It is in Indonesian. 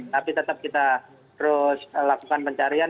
tapi tetap kita terus lakukan pencarian